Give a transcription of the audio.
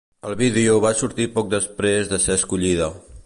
El vídeo va sortir poc després de ser escollida.